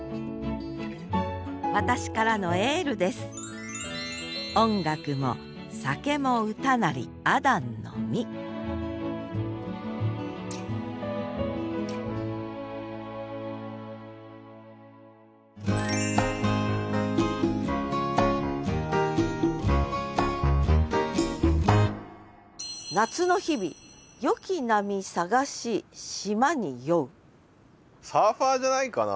私からのエールですサーファーじゃないかな？